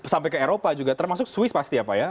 sampai ke eropa juga termasuk swiss pasti ya pak ya